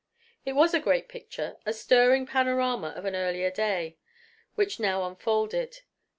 It was a great picture, a stirring panorama of an earlier day, which now unfolded.